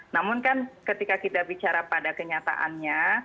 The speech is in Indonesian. namun kan ketika kita bicara pada kenyataannya